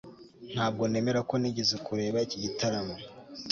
Ntabwo nemera ko nigeze kureba iki gitaramo